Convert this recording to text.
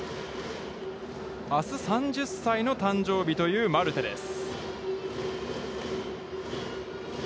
あす３０歳の誕生日というマルテです。